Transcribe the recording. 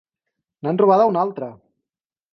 N'han robada una altra!